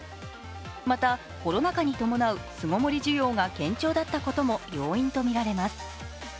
また、コロナ禍に伴う巣ごもり需要が堅調だったことも要因とみられます。